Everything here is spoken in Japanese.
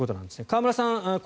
河村さん